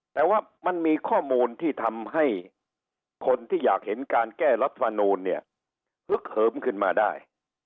แต่ว่ามันมีข้อมูลที่ทำให้คนที่อยากเห็นการแก้รัฐมนูลเนี่ยฮึกเหิมขึ้นมาได้